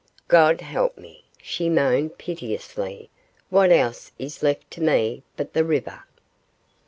'God help me,' she moaned, piteously; 'what else is left to me but the river?